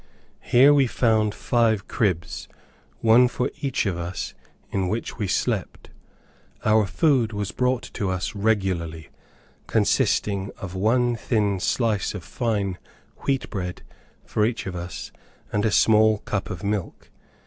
Here we found five cribs, one for each of us, in which we slept. Our food was brought to us regularly, consisting of one thin slice of fine wheat bread for each of us, and a small cup of milk.